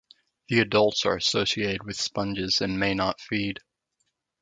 The adults are associated with sponges and may not feed.